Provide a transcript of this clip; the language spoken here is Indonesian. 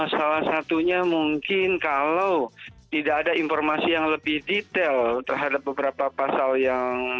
salah satunya mungkin kalau tidak ada informasi yang lebih detail terhadap beberapa pasal yang